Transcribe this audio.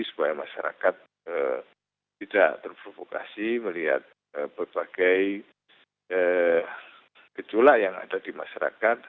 supaya masyarakat tidak terprovokasi melihat berbagai gejolak yang ada di masyarakat